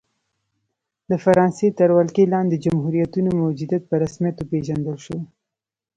د فرانسې تر ولکې لاندې جمهوریتونو موجودیت په رسمیت وپېژندل شو.